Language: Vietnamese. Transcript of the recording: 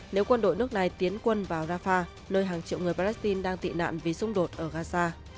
nếu quân đội nước này tiến quân vào rafah nơi hàng triệu người palestine đang tị nạn vì xung đột ở gaza